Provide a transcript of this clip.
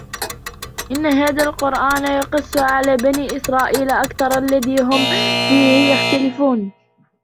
إِنَّ هَذَا الْقُرْآنَ يَقُصُّ عَلَى بَنِي إِسْرَائِيلَ أَكْثَرَ الَّذِي هُمْ فِيهِ يَخْتَلِفُونَ